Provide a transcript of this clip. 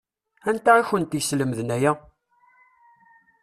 Anta i kent-yeslemden aya?